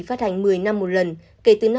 phát hành một mươi năm một lần kể từ